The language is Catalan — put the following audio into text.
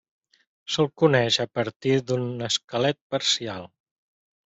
Se'l coneix a partir d'un esquelet parcial.